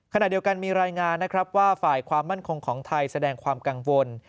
ขณะเดียวกันมีรายงานนะครับว่าฝ่ายความมั่นคงของไทยแสดงความกังวล